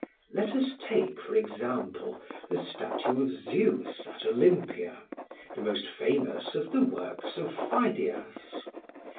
Let us take, for example, the statue of Zeus at Olympia, the most famous of the works of Pheidias.